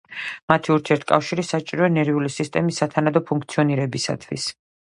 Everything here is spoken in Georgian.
მათი ურთიერთკავშირი საჭიროა ნერვული სისტემის სათანადო ფუნქციონირებისთვის.